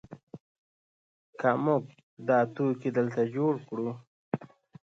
که موږ دا توکي دلته جوړ کړو.